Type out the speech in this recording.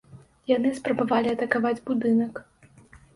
Яны спрабавалі атакаваць будынак.